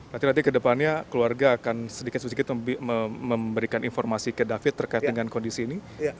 nanti nanti ke depannya keluarga akan sedikit sedikit memberikan informasi ke david terkait dengan kondisi ini